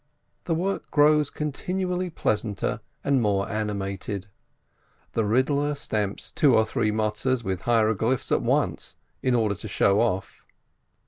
The work grows continually pleasanter and more animated. The riddler stamps two or three Matzes with hieroglyphs at once, in order to show off.